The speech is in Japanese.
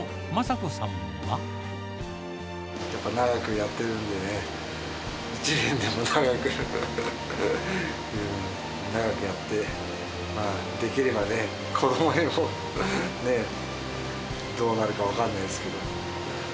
やっぱり長くやってるんでね、１年でも長く、長くやって、できればね、子どもにもどうなるか分かんないですけど。